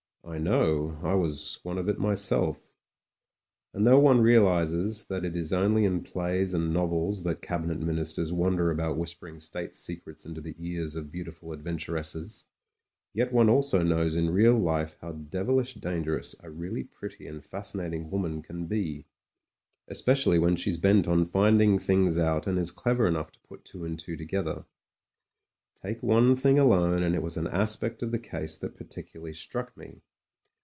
I know; I was one of it myself. And though one realises that it is only in plays and novels that Cabinet Ministers wander about whisper ing State secrets into the ears of beautiful adven turesses, yet one also knows in real life how devilish dangerous a really pretty and fascinating woman can be— especially when she's bent on finding things out and is clever enough to put two and two together. Take one thing alone, and it was an aspect of the case that particularly struck me.